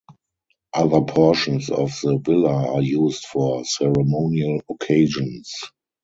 Other portions of the villa are used for ceremonial occasions.